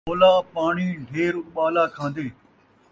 تھولا پاݨی ڈھیر اُٻالا کھاندے